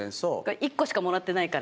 １個しかもらってないから。